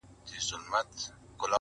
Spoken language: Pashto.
جنابِ عشقه ما کفن له ځان سره راوړی,